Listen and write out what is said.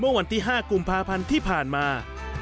วันที่๕กุมภาพันธ์ที่ผ่านมา